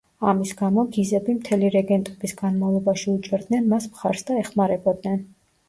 ამის გამო, გიზები მთელი რეგენტობის განმავლობაში უჭერდნენ მას მხარს და ეხმარებოდნენ.